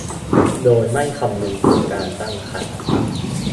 โดยไม่คำนึงถึงการตั้งครรภ์